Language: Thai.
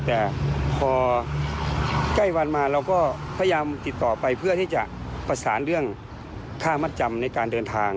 แต่พอใกล้วันมาเราก็พยายามติดต่อไปเพื่อที่จะประสานเรื่องค่ามัดจำในการเดินทาง